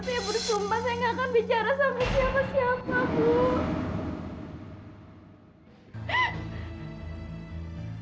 saya bersumpah saya nggak akan bicara sama siapa siapa